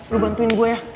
lo bantuin gue ya